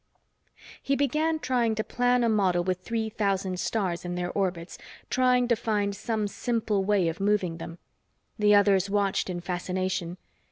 He began trying to plan a model with three thousand stars in their orbits, trying to find some simple way of moving them. The others watched in fascination.